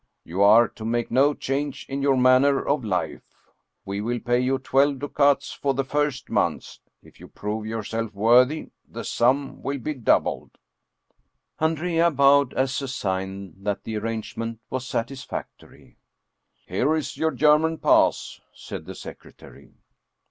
You are to make no change in your manner of life. We will pay you twelve ducats for the first months ; if you prove yourself worthy, the sum will be doubled." Andrea bowed as a sign that the arrangement was satis factory. " Here is your German pass," said the secretary.